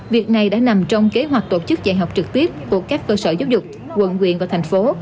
việc này đã nằm trong kế hoạch tổ chức dạy học trực tiếp của các cơ sở giáo dục quận quyện và thành phố